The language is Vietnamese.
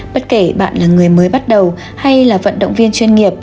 bất kể bạn là người mới bắt đầu hay là vận động viên chuyên nghiệp